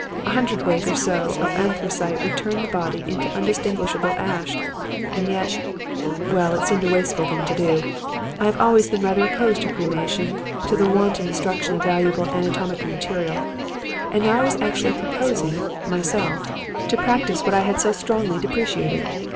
A hundredweight or so of anthracite would turn the body into undistinguishable ash; and yet well, it seemed a wasteful thing to do. I have always been rather opposed to cremation, to the wanton destruction of valuable anatomical material. And now I was actually proposing, myself, to practice that which I had so strongly deprecated.